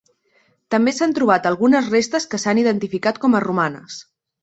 També s'han trobat algunes restes que s'han identificat com a romanes.